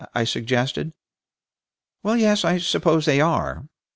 I suggested. "Well, yes, I suppose they are.